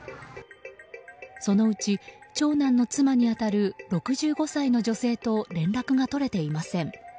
そのうち、長男の妻に当たる６５歳の女性と連絡が取れていません。